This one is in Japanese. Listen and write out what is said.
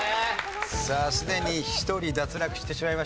さあすでに１人脱落してしまいました井桁さん。